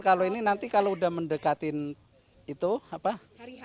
kalau ini nanti kalau sudah mendekatin itu basisnya